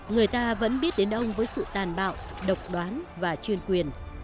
người ta vẫn biết đến ông với sự tàn bạo độc đoán và chuyên quyền